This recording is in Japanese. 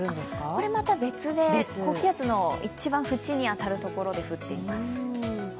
これまた別で高気圧の一番縁に当たるところで降っています。